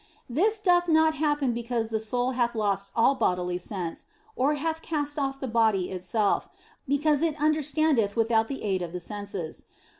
This 30 THE BLESSED ANGELA doth not happen because the soul hath lost all bodily sense, or hath cast off the body itself, but because it understandeth without the aid of the senses.